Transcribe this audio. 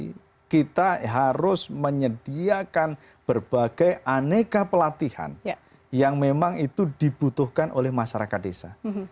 jadi kita harus menyediakan berbagai aneka pelatihan yang memang itu dibutuhkan oleh masyarakat desa